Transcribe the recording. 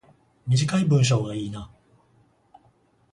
短い文章がいいな